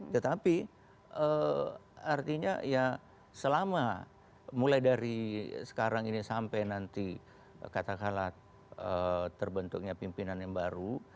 tetapi artinya ya selama mulai dari sekarang ini sampai nanti katakanlah terbentuknya pimpinan yang baru